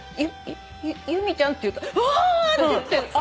由美ちゃん？って言ったらあ！って言って。